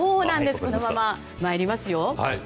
このまま参りますよ。